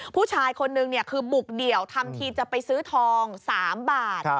ผู้ชายคนนึงคือบุกเดี่ยวทำทีจะไปซื้อทอง๓บาท